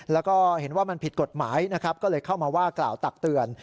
แล้วก็เห็นว่ามันผิดกฎหมายนะครับก็เลยเข้ามาว่ากล่าวตักเตือน